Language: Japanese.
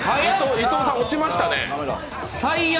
伊藤さん、落ちましたね。